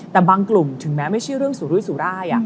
แต่บางกลุ่มถึงแม้ไม่ใช่เรื่องสุรุยสุราย